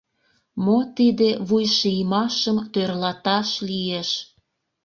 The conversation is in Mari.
Мо тиде вуйшиймашым тӧрлаташ лиеш.